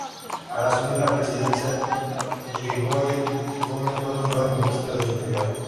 Al asumir la presidencia Yrigoyen, Gómez fue nombrado Ministro del Interior.